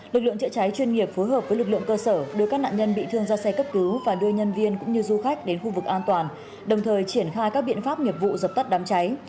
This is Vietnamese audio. lực lượng chữa cháy chuyên nghiệp phối hợp với lực lượng cơ sở đưa các nạn nhân bị thương ra xe cấp cứu và đưa nhân viên cũng như du khách đến khu vực an toàn đồng thời triển khai các biện pháp nghiệp vụ dập tắt đám cháy